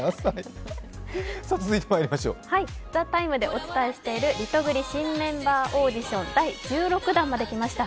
「ＴＨＥＴＩＭＥ，」でお伝えしている、リトグリ新メンバーオーディション第６弾まで来ました。